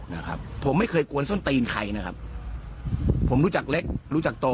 นะครับผมไม่เคยกวนส้นตีนใครนะครับผมรู้จักเล็กรู้จักโต